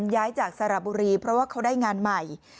ย้ายจากสระบุรีเพราะว่าเขาได้งานใหม่